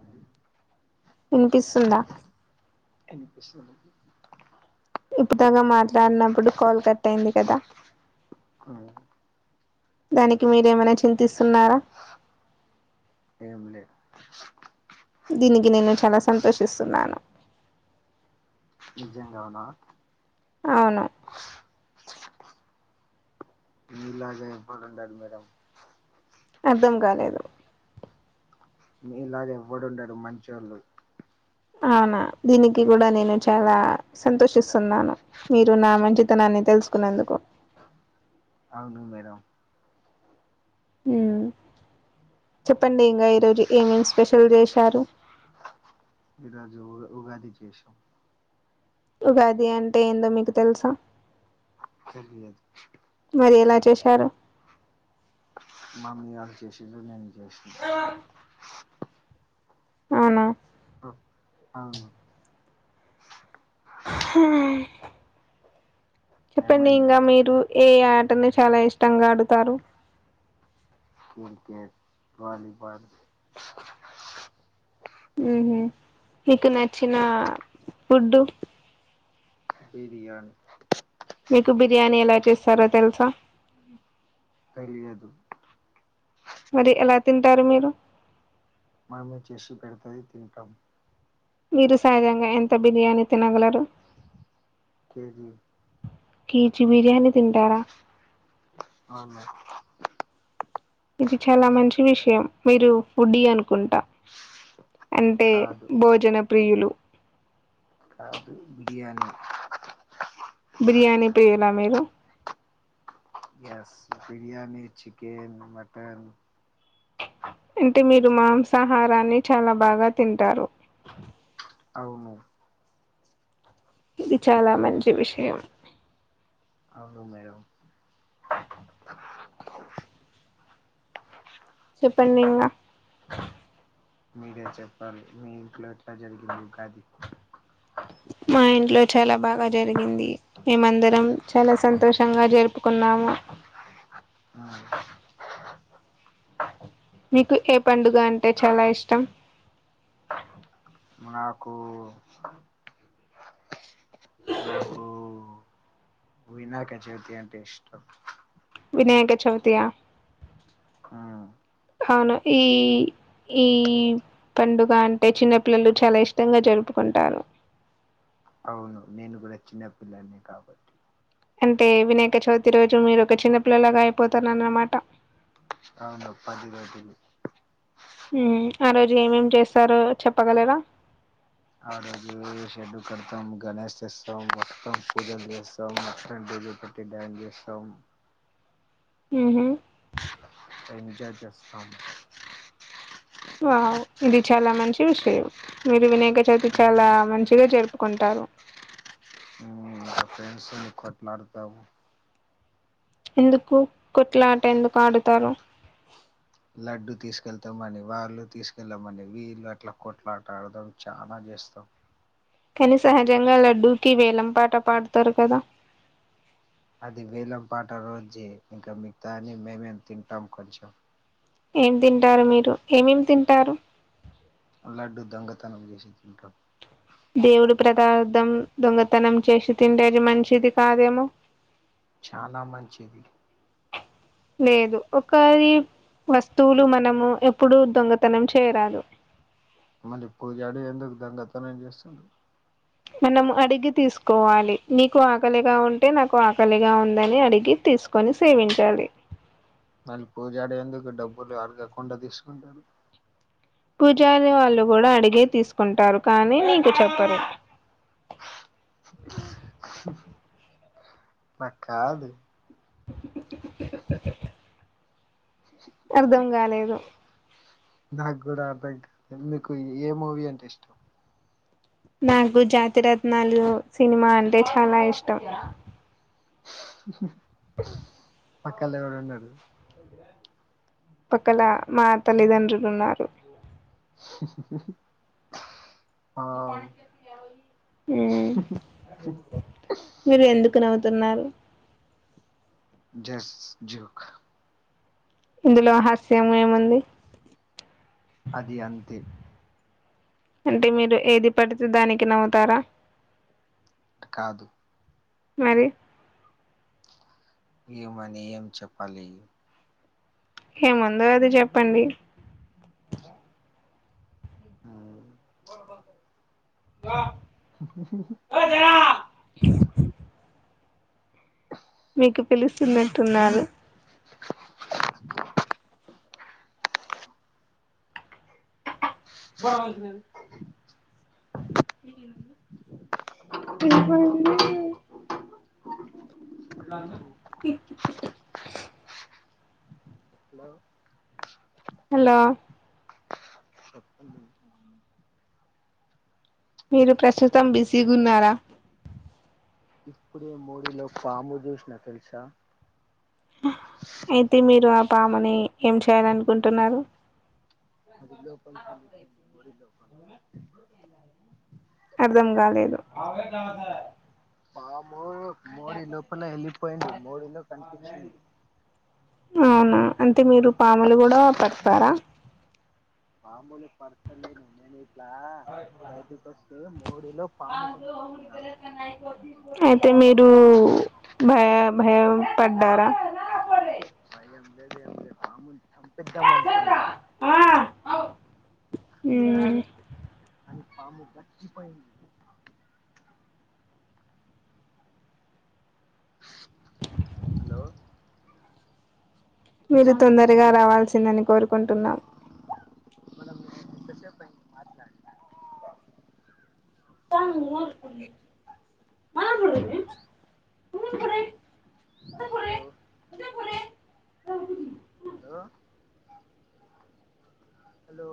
అండి వినిపిస్తుందా ఇన్పిస్తుంది ఇప్పుట్దాకా మాట్లాడినప్పుడు కాల్ కట్ అయింది కదా ఆవ్ను దానికి మీరేమైనా చింతిస్తున్నారా ఏం లే దీనికి నేను చాలా సంతోషిస్తున్నాను నిజంగానా అవును నిజంగా చెప్పాలంటే మేడం అర్ధం కాలేదు మీలాగ ఎవ్వడుండడు మంచోళ్లు అవునా దీనికి కూడా నేను చాలా సంతోషిస్తున్నాను మీరు నా మంచితనాన్ని ని తెలుసుకునందుకు అవును మేడం ఉమ్మ్ చెప్పండి ఇంగా ఈరోజు ఏమేమి స్పెషల్ చేశారు ఈ రోజు ఉగాది చేశాం ఉగాది అంటే ఏందో మీకు తెలుసా తెలియదు మరి ఎలా చేశారు మమ్మీ వాళ్ళు చేసిరు నేను చేసిన అవునా అవును హమ్మ్ చెప్పండి ఏమైంది ఇంకా మేడం మీరు ఏ ఆటని చాలా ఇష్టంగా ఆడుతారు క్రికెట్ వాలీబల్ ఉహు మీకు నచ్చిన ఫుడ్ బిరియాని మీకు బిర్యానీ ఎలా చేస్తారో తెలుసా తెలియదు మరి ఎలా తింటారు మీరు మమ్మీ చేసి పెడతది తింటాం మీరు సహజంగా ఎంత బిర్యానీ తినగలరు కేజీ కేజీ బిర్యానీ తింటారా అవును ఇది చాలా మంచి విషయం మీరు ఫుడ్డి అనుకుంటా అంటే కాదు భోజన ప్రియులు కాదు బిర్యానీ బిర్యానీ ప్రియుల మీరు ఎస్ బిర్యానీ చికెన్ మటన్ అంటే మీరు మాంసాహారాన్ని చాలా బాగా తింటారు అవును ఇది చాలా మంచి విషయం అవును మేడం చెప్పండి ఇంగా మీరే చెప్పలీ మీ ఇంట్లో ఎట్లా జరిగింది ఉగాది మా ఇంట్లో చాలా బాగా జరిగింది మేమందరం చాలా సంతోషంగా జరుపుకున్నాము హాయ్ మీకు ఏ పండుగ అంటే చాలా ఇష్టం నాకు నాకూ వినాయకచవితి అంటే ఇష్టం వినాయక చౌతియా ఉమ్ అవును ఈ ఈ పండుగ అంటే చిన్నపిల్లలు చాలా ఇష్టంగా జర్ జరుపుకుంటారు అవును నేను గూడ చిన్న పిల్లడ్నే కాబట్టి అంటే వినాయక చవితి రోజు మీరు ఒక చిన్న పిల్లలాగా అయిపోతనన్నమాట అవును పది రోజులు మ్ ఆ రోజు ఏమేం చేస్తారో చెప్పగలరా అ రోజు షెడ్ కడతాం గణేష్ చేస్తాం మొత్తం పూజలు చేస్తాం మొత్తం డీజే పెట్టి డ్యాన్స్ చేస్తాం మ్ హ్మ్ ఎంజాయ్ చేస్తాం వావ్ ఇది చాలా మంచి విషయం మీరు వినాయక చవితి చాలా మంచిగ జరుపుకుంటారు మ్ ఫ్రెండ్స్ ని కొట్లాడుతాము ఎందుకు కొట్లాట ఎందుకు ఆడుతారు లడ్డు తీసుకెళ్తామని వాళ్ళు తీసుకెళ్ళమని వీళ్ళు అట్ల కొట్లాటడతం చానా చేస్తం కానీ సహజంగా లడ్డూకి వేలం పాట పాడతారు కదా అది వేలం పాట రోజే ఇంకా మిగతా అన్ని మేమేం తింటాం కొంచెం ఏం తింటారు మీరు ఏమేమి తింటారు లడ్డు దొంగతనం చేసి తింటం దేవుడు ప్రదార్థం దొంగతనం చేసి తింటే అది మంచిది కాదేమో చానా మంచిది లేదు ఓకరి వస్తువులు మనము ఎప్పుడూ దొంగతనం చేయరాదు మళ్ళీ పూజరి ఎందుకు దొంగతనం చేస్తుండు మనం అడిగి తీసుకోవాలి నీకు ఆకలిగా ఉంటే నాకు ఆకలిగా ఉందని అడిగి తీసుకొని సేవించాలి మళ్ళీ పూజాడి ఎందుకు డబ్బులు అడగకుండ తీసుకుంటడు పూజారి వాళ్ళు గూడా అడిగే తీసుకుంటారు కానీ మీకు చెప్పరు న కాలు అర్ధం గాలేదు నాగూడ అర్ధం కాలేదు మీకు ఏ మూవీ అంటే ఇష్టం నాకు జాతిరత్నాలు సినిమా అంటే చాలా ఇష్టం పక్కల్ల ఎవరున్నరు పక్కల మా తల్లిదండ్రులు ఉన్నారు ఆ మీరు ఎందుకు నవ్వుతున్నారు జస్ జోక్ ఇందులో హాస్యం ఏముంది అది అంతే అంటె మీరు ఏది పడితే దానికి నవ్వుతారా కాదు మరి ఏమని ఏం చెప్పాలి ఏముందొ అది చెప్పండి మీకు పిలుస్తున్నట్టున్నారు వినపడలేద బా హలో హలో మీరు ప్రస్తుతం బిజీగున్నారా ఇప్పుడే మోరిలో పాము చూసినా తెలుసా హా అయితే మీరు ఆ పాముని ఏం చేయాలనుకుంటున్నారు అదిలో [unintelligible] మోడి లో అర్ధం కాలేదు పాము మోడీ లోపల ఎళ్ళిపోయింది మోడీలో కనిపించింది అవునా అంటే మీరు పాములు కూడా పడతారా పాములు పడ్తలేను నేనీద్ మోడీలో పాము కనిపించింది నాకు అయితే మీరు భయ భయం పడ్డారా భయం లేద్ ఎం లే పాముల్ చంపెద్దాం అనుకున్నా కని పాము గచ్చిపోయింది హలో మీరు తొందరగా రావాల్సిందని కోరుకుంటున్నా మనం ఎంతసేపు అయింది మాట్లాడక తాపుడి మనపుడ మమపుడ హలో [unintelligible] అద అదే [unintelligible] హలో హలో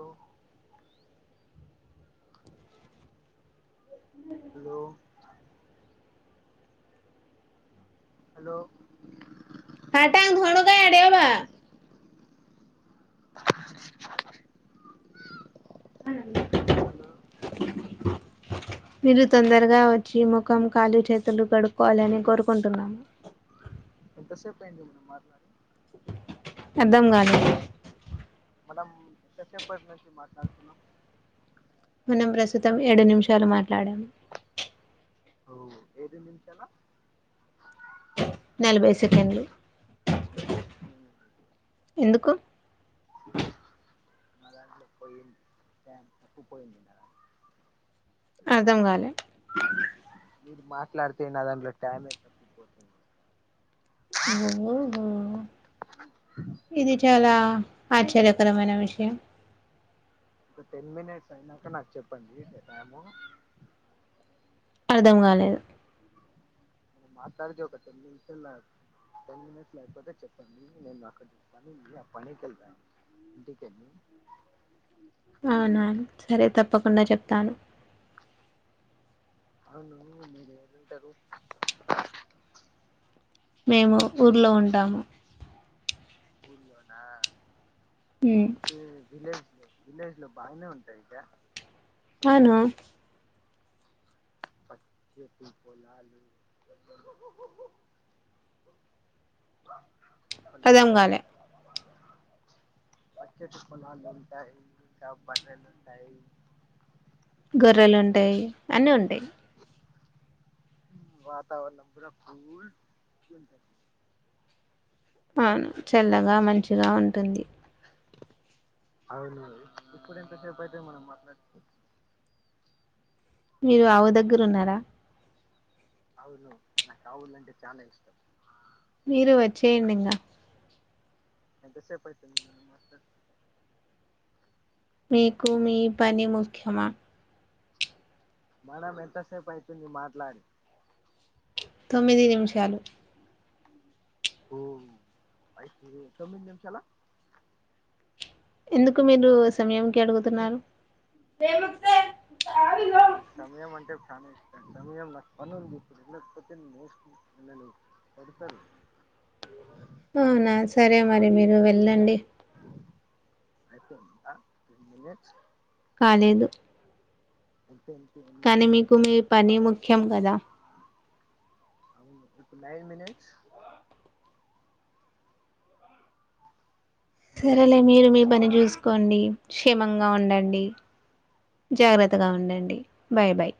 హలో హలో హాటంగ్ హున్ గయా డేవా మీరు తొందరగా వచ్చి ముఖం కాళ్ళు చేతులు కడుక్కోవాలని కోరుకుంటున్నాము ఎంతసేపయింది మనం మాట్లాడి అర్ధం కాలే మనం ఎంతసేపటి నుంచి మాట్లాడుతున్నాం మనం ప్రస్తుతం ఏడు నిమిషాలు మాట్లాడామ్ ఓ ఏడు నిమిషాల నలభై సెకండ్లు ఉమ్ ఎందుకు నాదాంట్ల పోయి ఎకు [unintelligible] పోయిందిన్నద అర్థం కాలే మీరు మాట్లాడితే నా దాంట్లో ట్యామే తప్పుపోతుంది నువ్వు హో ఇది చాలా ఆశ్చర్యకరమైన విషయం ఒక టెన్ మినిట్స్ అయినాక నాకు చెప్పండి టైము అర్ధం కాలేదు మీరు మాట్లాడితే ఒక టెన్మి [unintelligible] టెన్మినెట్స్ లో అయ్పోతె చెప్పండి నెనకొంచం పనుంది అ పనికేల్తాను ఇంటికేలి అవునా సరే తప్పకుండా చెప్తాను అవును మీరు ఎక్కడ ఉంటారు మేము ఊర్లో ఉంటాము ఊర్లోనా ఉమ్, అంటే విలెజ్ విలేజ్లో బానే ఉంటాయి కా అవును పచ్చటి పోలాలు హలో అర్థం కాలే పచ్చటి పొలాలుంటాయి బర్రెలుంటాయి గొర్రెలుంటాయి అన్నీ ఉంటాయి వాతావరణం కూడా ఫూల్ అవ్ను చల్లగా మంచిగా ఉంటుంది అవును ఇప్పుడు ఎంతసేపు అయితుంది మనం మాట్లాడి మీరు ఆవు దగ్గరున్నారా అవును నాకు ఆవులంటే చాలా ఇష్టం మీరు వచ్చేయండి ఇంకా ఎంతసేపైతుంది మనం మాట్లాడి మీకు మీ పని ముఖ్యమా మనం ఎంతసేపైతుంది మాట్లాడి తొమ్మిది నిమ్షాలు ఓ అయ్తే తొమ్మిది నిమ్షాల ఎందుకు మీరు సమ్యంకి అడుగుతున్నారు నాకు సమయం అంటే చాలా ఇష్టం సమయం నాకు పని ఉంది ఇప్పుడు వెళకపోతే ననే వెళ్ళలే కొడతాడు అవునా సరే మరి మీరు వెళ్ళండి అయ్పోందా టెన్ మినేట్ కాలేదు అంతే కానీ మీకు మీ పని ముఖ్యం కదా అవునా ఇప్పుడు నైన్ మనిట్స్ హలో సరేలే మీరు మీ పని చుస్కోండి క్షేమంగా ఉండండి జాగ్రతగా ఉండండి బాయ్ బాయ్